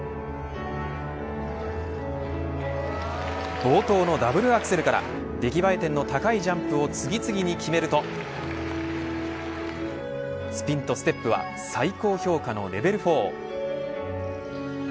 冒頭のダブルアクセルから出来栄えの高いジャンプを次々に決めるとスピンとステップは最高評価のレベル４。